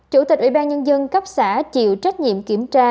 chủ tịch ủy ban nhân dân cấp xã chịu trách nhiệm kiểm tra